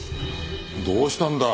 どうしたんだ？